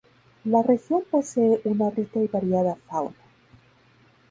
La región posee una rica y variada fauna.